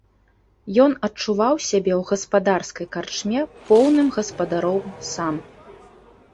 Ён адчуваў сябе ў гаспадарскай карчме поўным гаспадаром сам.